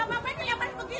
kalian lo terlaluan